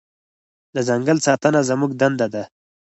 د ځنګل ساتنه زموږ دنده ده.